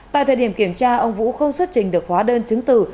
tại thời điểm kiểm tra ông vũ không xuất trình được hóa đơn chứng từ